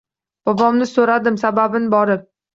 Bobomdan so’radim sababin borib